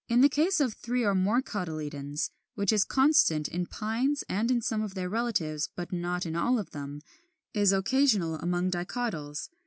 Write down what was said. The case of three or more cotyledons, which is constant in Pines and in some of their relatives (but not in all of them), is occasional among Dicotyls.